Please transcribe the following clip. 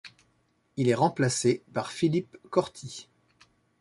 Il est remplacé par Philippe Corti.